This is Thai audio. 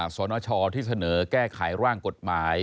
สนชที่เสนอแก้ไขร่างกฎหมาย